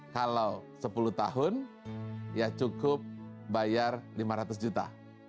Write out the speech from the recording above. kalau sepuluh tahun ya cukup bayar lima ratus juta